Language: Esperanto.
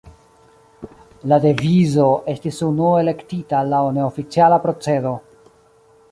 La devizo estis unue elektita laŭ neoficiala procedo.